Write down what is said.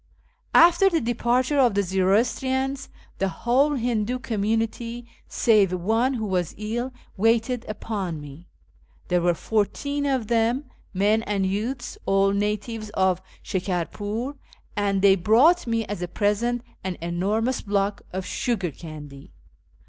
After the departure of the Zoroastrians, the whole Hindoo community (save one, who was ill) waited upon me. There were fourteen of them, men and youths, all natives of Shikarpnr, and they brought me as a present an enormous block of sugar candy.